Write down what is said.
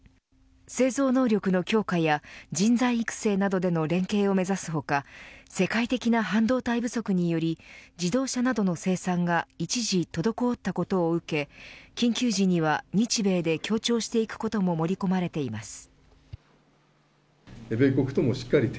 製造能力の強化や人材育成などでの連携を目指す他世界的な半導体不足により自動車などの生産が一時滞ったことを受け緊急時には日米で協調していくことも盛り込まれています。